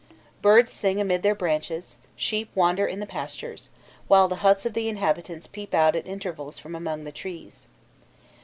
Birds sing amid their branches, sheep wander in the pastures, while the huts of the inhabitants peep out at intervals from among the trees.